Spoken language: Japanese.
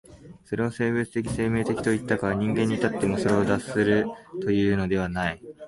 それを生物的生命的といったが、人間に至ってもそれを脱するというのではない。